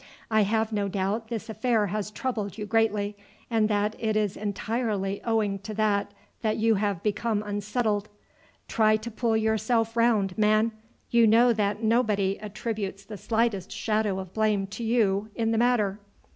I have no doubt this affair has troubled you greatly, and that it is entirely owing to that that you have become unsettled. Try to pull yourself round, man. You know that nobody attributes the slightest shadow of blame to you in the matter."